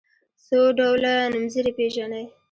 څو ډوله نومځري پيژنئ.